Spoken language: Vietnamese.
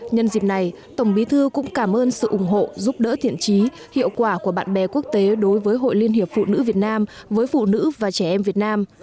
nhân dịp này tổng bí thư cũng cảm ơn sự ủng hộ giúp đỡ thiện trí hiệu quả của bạn bè quốc tế đối với hội liên hiệp phụ nữ việt nam với phụ nữ và trẻ em việt nam